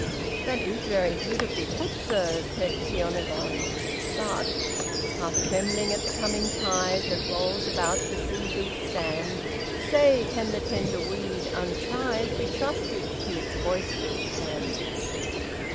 "That is very beautifully put, sir," said Shiônagon, "but, Half trembling at the coming tide That rolls about the sea beat sand, Say, can the tender weed untried, Be trusted to its boisterous hand?"